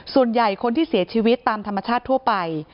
ส่วนใหญ่คนที่เสียชีวิตตามธรรมชาติทั่วไป